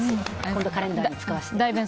今度カレンダーに使わせて。